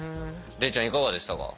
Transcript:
礼ちゃんいかがでしたか？